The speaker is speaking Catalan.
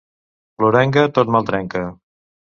L'orenga tot mal trenca.